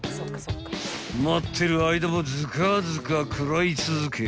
［待ってる間もズカズカ食らい続け］